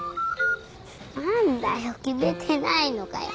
何だよ決めてないのかよ。